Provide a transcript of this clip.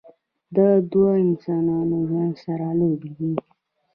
د دوه انسانانو ژوند سره لوبې دي